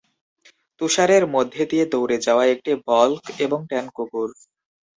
তুষারের মধ্যে দিয়ে দৌড়ে যাওয়া একটি বল্ক এবং ট্যান কুকুর।